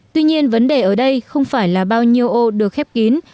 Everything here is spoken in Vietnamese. tuy nhiên vấn đề ở đây không phải là bao nhiêu ô được khép kín